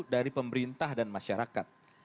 dari pemerintah dan masyarakat